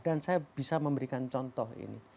dan saya bisa memberikan contoh ini